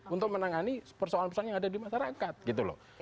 untuk menangani persoalan persoalan yang ada di masyarakat gitu loh